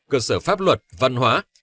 cơ sở pháp luật văn hóa